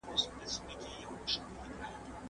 موږ ته په کار ده چي مځکه زرغونه وساتو.